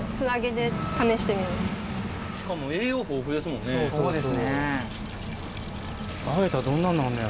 しかも栄養豊富ですもんね。